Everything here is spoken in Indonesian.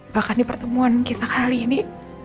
bahkan di pertemuan kita kali ini